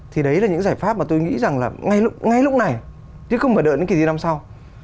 thì đấy là những giải pháp mà tôi nghĩ rằng là ngay lúc này chứ không phải đợi đến kỳ thi năm sau